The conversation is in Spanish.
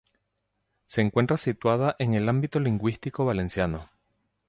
Se encuentra situada en el ámbito lingüístico valenciano.